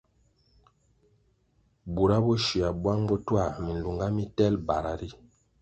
Bura bo shywia bwang bo twā milunga mitelʼ bara ri,